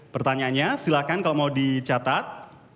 pertanyaannya silahkan kalau mau dicatat